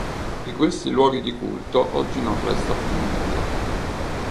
Di questi luoghi di culto oggi non resta più nulla.